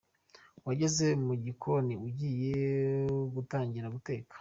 Wageze mu gikoni ugiye gutangira guteka.